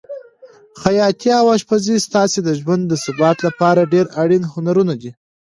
خیاطي او اشپزي ستا د ژوند د ثبات لپاره ډېر اړین هنرونه دي.